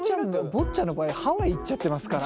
坊ちゃんの場合ハワイ行っちゃってますから。